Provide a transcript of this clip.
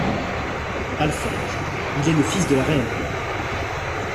Alfange:Il est le fils de la reine.